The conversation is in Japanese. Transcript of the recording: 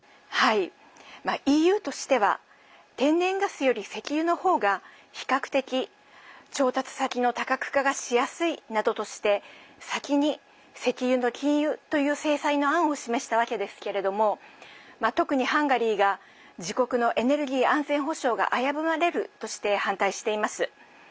ＥＵとしては天然ガスより石油のほうが比較的、調達先の多角化がしやすいなどとして先に石油の禁輸という制裁の案を示したわけですけれども特に、ハンガリーが自国のエネルギー安全保障が危ぶまれるとして反対しています。